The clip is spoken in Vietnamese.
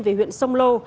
về huyện sông lô